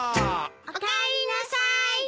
おかえりなさい。